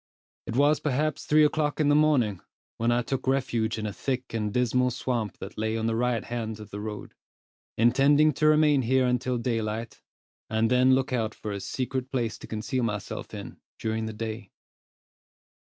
It was perhaps three o'clock in the morning, when I took refuge in a thick and dismal swamp that lay on the right hand of the road, intending to remain here until daylight, and then look out for a secret place to conceal myself in, during the day.